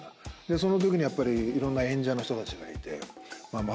そのときにやっぱりいろんな演者の人たちがいて。